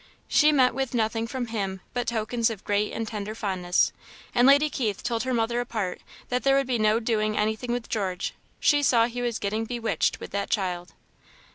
She met with nothing from him but tokens of great and tender fondness; and Lady Keith told her mother apart that there would be no doing anything with George; she saw he was getting bewitched with that child.